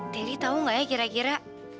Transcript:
terry tau gak ya kira kira